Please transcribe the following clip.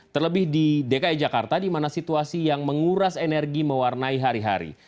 terlebih di dki jakarta di mana situasi yang menguras energi mewarnai hari hari